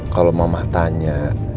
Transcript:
kalau mama tanya